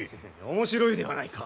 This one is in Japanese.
面白いではないか！